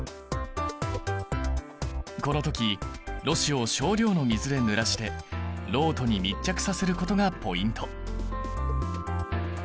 この時ろ紙を少量の水でぬらしてろうとに密着させることがポイント！